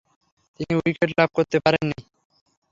তিনি উইকেট লাভ করতে পারেননি।